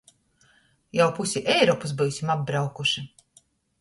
Jau pusi Eiropys byusim apbraukuši!